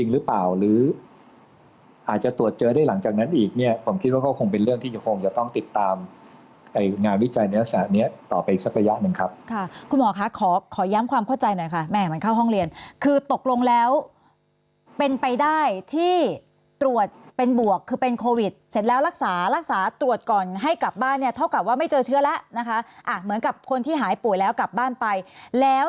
เรื่องที่คงจะต้องติดตามไอ้งานวิจัยเนื้อสารเนี่ยต่อไปอีกสักระยะหนึ่งครับค่ะคุณหมอคะขอย้ำความเข้าใจหน่อยค่ะแม่มันเข้าห้องเรียนคือตกลงแล้วเป็นไปได้ที่ตรวจเป็นบวกคือเป็นโควิดเสร็จแล้วรักษาตรวจก่อนให้กลับบ้านเนี่ยเท่ากับว่าไม่เจอเชื้อแล้วนะคะเหมือนกับคนที่หายป่วยแล้วกลับบ้านไปแล้